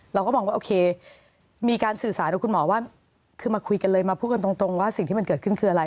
เราก็มองว่าโอเคมีการสื่อสารกับคุณหมอว่าคือมาคุยกันเลยมาพูดกันตรงว่าสิ่งที่มันเกิดขึ้นคืออะไร